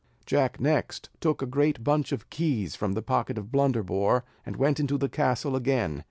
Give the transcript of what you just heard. Jack next took a great bunch of keys from the pocket of Blunderbore, and went into the castle again.